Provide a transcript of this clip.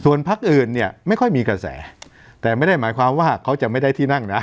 พักอื่นเนี่ยไม่ค่อยมีกระแสแต่ไม่ได้หมายความว่าเขาจะไม่ได้ที่นั่งนะ